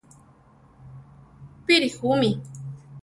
Píri ju mí?